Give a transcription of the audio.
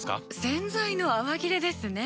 洗剤の泡切れですね。